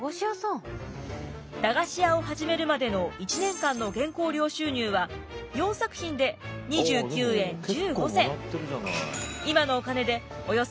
駄菓子屋を始めるまでの１年間の原稿料収入は４作品で２９円１５銭。